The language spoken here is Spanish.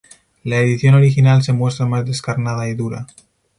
La edición original se muestra más descarnada y dura.